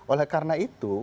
oleh karena itu